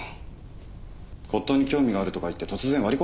骨董に興味があるとか言って突然割り込んできたんです。